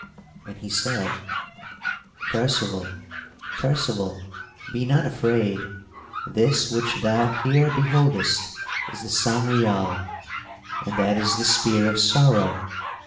And he said: "Percival! Percival! be not afraid! This which thou here beholdest is the Sangreal, and that is the Spear of Sorrow.